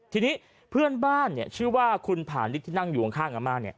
ทีนี้เพื่อนบ้านชื่อว่าคุณผ่านนิดที่นั่งอยู่ข้างอาม่า